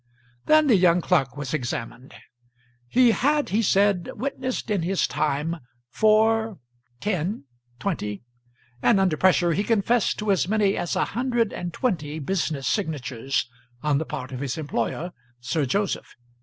Then the young clerk was examined. He had, he said, witnessed in his time four, ten, twenty, and, under pressure, he confessed to as many as a hundred and twenty business signatures on the part of his employer, Sir Joseph.